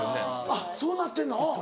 あっそうなってんの？